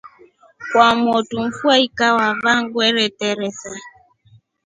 Kwamotu mfua ikakava ndwehe yeteresa.